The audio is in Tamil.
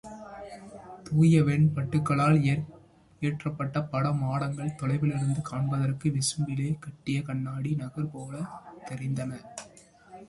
தூயவெண் பட்டுக்களால் இயற்றப்பட்ட பட மாடங்கள் தொலைவிலிருந்து காண்பதற்கு விசும்பிலே கட்டிய கண்ணாடி நகர் போலத் தெரிந்தன.